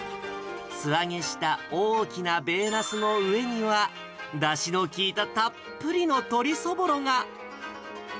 素揚げした大きな米ナスの上には、だしの効いたたっぷりのとりそぼろが。